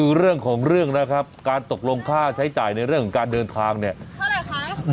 เรื่องของเรื่องนะครับการตกลงค่าใช้จ่ายในเรื่องของการเดินทางเนี่ยเท่าไหร่คะ